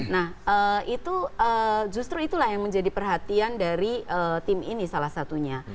nah itu justru itulah yang menjadi perhatian dari tim ini salah satunya